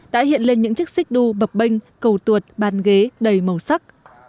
đã hiện lên những chiếc xích đu bập bênh cầu tuột bàn ghế đầy màu sắc